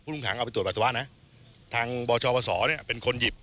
รุ่งขังเอาไปตรวจปัสสาวะนะทางบชวศเนี่ยเป็นคนหยิบ